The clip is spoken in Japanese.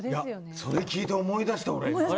それ聞いて思い出した、俺。